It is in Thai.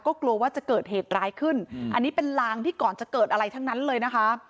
กลัวว่าจะเกิดเหตุร้ายขึ้นอันนี้เป็นลางที่ก่อนจะเกิดอะไรทั้งนั้นเลยนะคะ